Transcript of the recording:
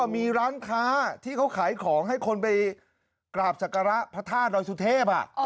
มีร้านค้าที่เขาขายของให้คนไปกราบศักระพระธาตุดอยสุเทพ